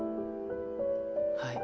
はい。